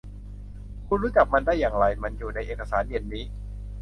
คุณรู้จักมันได้อย่างไร มันอยู่ในเอกสารเย็นนี้